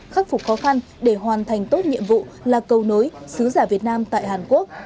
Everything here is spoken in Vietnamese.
khắc phục khó khăn để hoàn thành tốt nhiệm vụ là cầu nối sứ giả việt nam tại hàn quốc